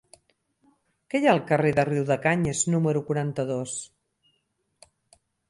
Què hi ha al carrer de Riudecanyes número quaranta-dos?